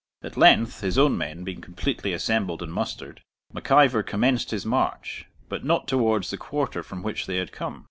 At length, his own men being completely assembled and mustered, Mac Ivor commenced his march, but not towards the quarter from which they had come.